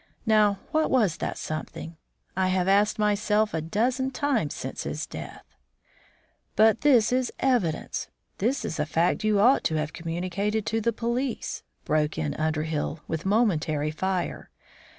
Now, what was that something? I have asked myself a dozen times since his death." "But this is evidence! This is a fact you ought to have communicated to the police," broke in Underhill, with momentary fire.